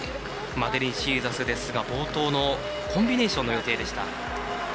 マデリン・シーザスですが冒頭のコンビネーションの予定でした。